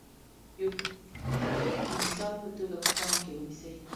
یو کوټ د مثال په توګه په پام کې ونیسئ.